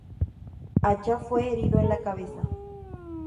Acha fue herido en la cabeza.